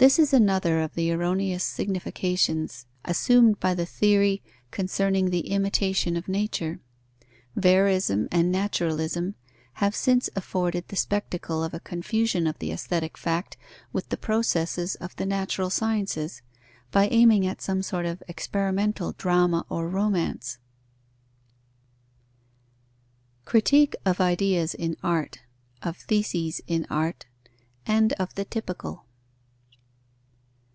This is another of the erroneous significations assumed by the theory concerning the imitation of nature. Verism and naturalism have since afforded the spectacle of a confusion of the aesthetic fact with the processes of the natural sciences, by aiming at some sort of experimental drama or romance. _Critique of ideas in art, of theses in art, and of the typical.